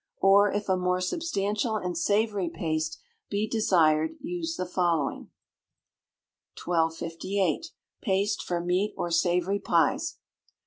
Or, if a more substantial and savoury paste be desired, use the following: 1258. Paste for Meat or Savoury Pies.